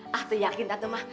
tante yakin tante mah